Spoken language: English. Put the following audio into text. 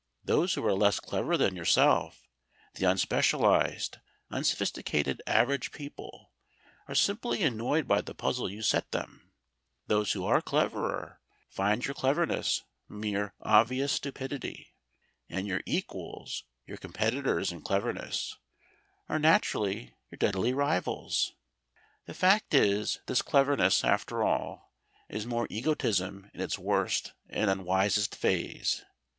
Those who are less clever than yourself, the unspecialised, unsophisticated average people, are simply annoyed by the puzzle you set them; those who are cleverer find your cleverness mere obvious stupidity; and your equals, your competitors in cleverness, are naturally your deadly rivals. The fact is this cleverness, after all, is merely egotism in its worst and unwisest phase.